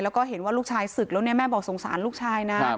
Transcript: แล้วก็เห็นว่าลูกชายศึกแล้วเนี่ยแม่บอกสงสารลูกชายนะ